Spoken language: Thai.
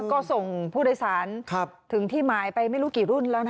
ก็ส่งผู้โดยสารถึงที่หมายไปไม่รู้กี่รุ่นแล้วนะ